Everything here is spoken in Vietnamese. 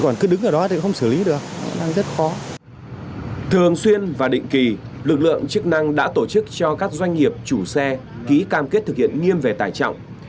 trong thời gian và định kỳ lực lượng chức năng đã tổ chức cho các doanh nghiệp chủ xe ký cam kết thực hiện nghiêm về tải trọng